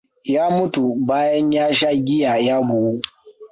Ya mutu bayan ya sha giya ya bugu.